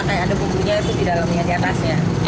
kayak ada bumbunya itu di dalamnya di atasnya